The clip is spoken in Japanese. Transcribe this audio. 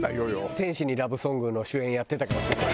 『天使にラブ・ソングを』の主演やってたかもしれない。